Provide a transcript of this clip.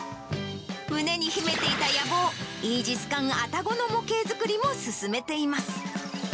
胸に秘めていた野望、イージス艦あたごの模型作りも進めています。